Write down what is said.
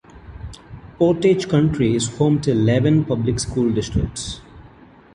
Portage County is home to eleven public school districts.